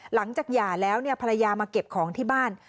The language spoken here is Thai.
หย่าแล้วภรรยามาเก็บของที่บ้าน